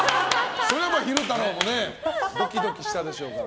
それは昼太郎もねドキドキしたでしょうから。